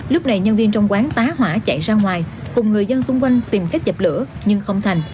lúc này nhân viên trong quán tá hỏa chạy ra ngoài cùng người dân xung quanh tìm cách dập lửa nhưng không thành